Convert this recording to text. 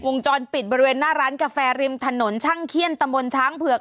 วงจรปิดบริเวณหน้าร้านกาแฟริมถนนช่างเขี้ยนตำบลช้างเผือก